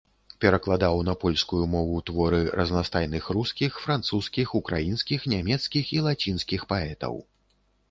Перакладаў на польскую мову творы разнастайных рускіх, французскіх, украінскіх, нямецкіх і лацінскіх паэтаў.